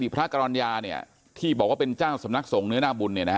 พระกรรณญาที่บอกว่าเป็นเจ้าสำนักสงฆ์เนื้อหน้าบุญ